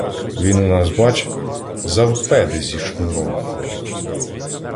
Він у нас, бач, завпеди зі шнуром ходить.